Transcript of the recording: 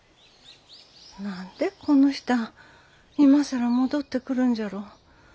何でこの人あ今更戻ってくるんじゃろう。